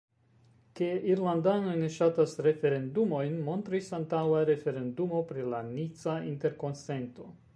Ke irlandanoj ne ŝatas referendumojn, montris antaŭa referendumo pri la nica interkonsento.